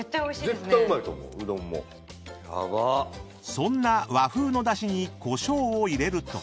［そんな和風のダシにコショウを入れると］